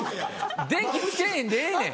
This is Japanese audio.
電気つけへんでええねん。